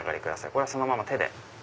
これはそのまま手で。